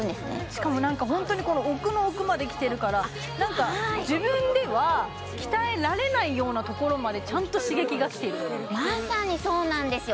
しかも何かホントにから自分では鍛えられないようなところまでちゃんと刺激がきているまさにそうなんですよ